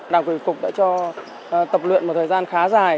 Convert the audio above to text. chúng tôi đã cho tập luyện một thời gian khá dài